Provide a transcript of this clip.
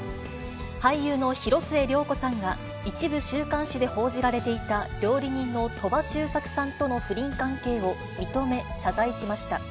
俳優の広末涼子さんが、一部週刊誌で報じられていた、料理人の鳥羽周作さんとの不倫関係を認め、謝罪しました。